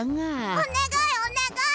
おねがいおねがい！